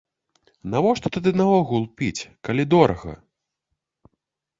Навошта тады наогул піць, калі дорага?